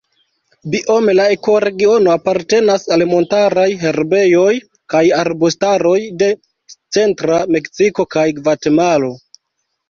Biome la ekoregiono apartenas al montaraj herbejoj kaj arbustaroj de centra Meksiko kaj Gvatemalo.